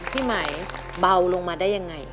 พี่ไหมเบาลงมาได้ยังไง